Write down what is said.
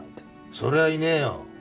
そりゃいねえよ